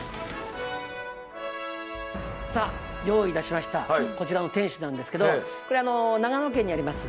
さあ用意いたしましたこちらの天守なんですけどこれ長野県にあります